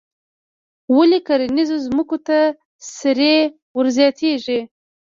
ولې کرنیزو ځمکو ته سرې ور زیاتیږي؟